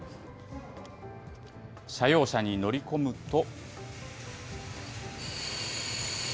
社用車に乗り込むと。